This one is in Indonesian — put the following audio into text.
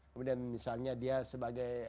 kemudian misalnya dia sebagai